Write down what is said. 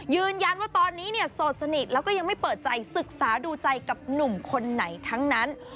ยืนยันว่าตอนนี้เนี่ยโสดสนิทแล้วก็ยังไม่เปิดใจศึกษาดูใจกับหนุ่มคนไหนทั้งนั้น